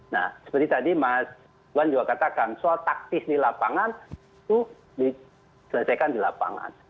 nah seperti tadi mas buan juga katakan soal taktis di lapangan itu diselesaikan di lapangan